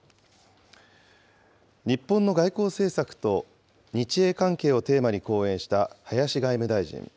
日本の外交政策と日英関係をテーマに講演した林外務大臣。